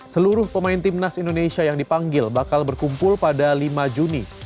seluruh pemain timnas indonesia yang dipanggil bakal berkumpul pada lima juni